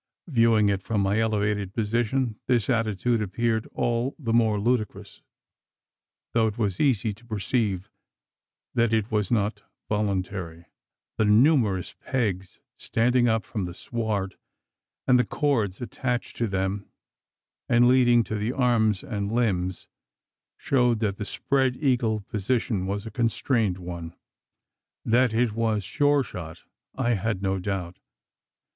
Viewing it from my elevated position, this attitude appeared all the more ludicrous; though it was easy to perceive that it was not voluntary. The numerous pegs standing up from the sward, and the cords attached to them, and leading to the arms and limbs, showed that the spread eagle position was a constrained one. That it was Sure shot, I had no doubt.